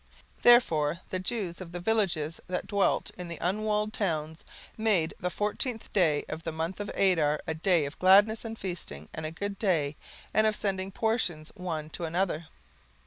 17:009:019 Therefore the Jews of the villages, that dwelt in the unwalled towns, made the fourteenth day of the month Adar a day of gladness and feasting, and a good day, and of sending portions one to another.